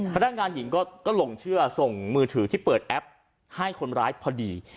พนักงานหญิงก็หลงเชื่อส่งมือถือที่เปิดแอปให้คนร้ายพอดี